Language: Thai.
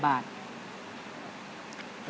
อยากเรียน